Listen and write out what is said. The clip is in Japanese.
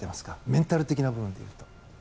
メンタル的な部分では。